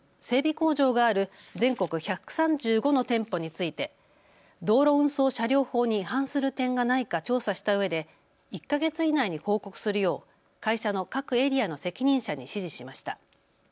工場がある全国１３５の店舗について道路運送車両法に違反する点がないか調査したうえで１か月以内に報告するよう会社の各エリアの責任者に指示しました。